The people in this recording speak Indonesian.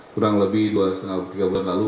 kurang lebih dua lima tiga bulan lalu